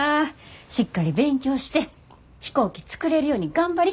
しっかり勉強して飛行機作れるように頑張り。